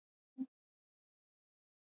په افغانستان کې نمک شتون لري.